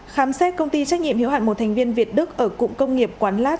khám xét công ty trách nhiệm hiếu hạn một thành viên việt đức ở cụng công nghiệp quán lát